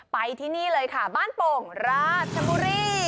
ไปที่นี่เลยค่ะบ้านโป่งราชบุรี